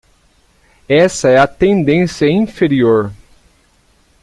Essa é a tendência inferior.